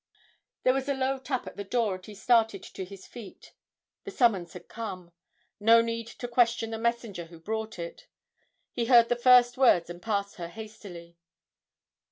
There was a low tap at the door, and he started to his feet the summons had come; no need to question the messenger who brought it, he heard the first words and passed her hastily.